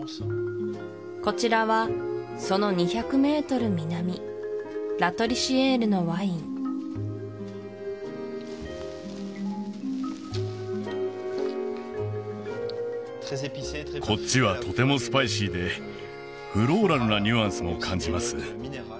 こちらはその２００ｍ南こっちはとてもスパイシーでフローラルなニュアンスも感じます